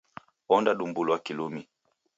Ondadumbulwa kilumi.